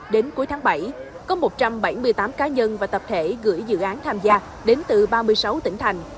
đến cuối tháng bảy có một trăm bảy mươi tám cá nhân và tập thể gửi dự án tham gia đến từ ba mươi sáu tỉnh thành